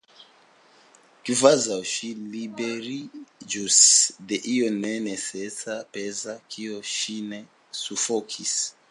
Kvazaŭ ŝi liberiĝus de io nenecesa, peza, kio ŝin sufokis.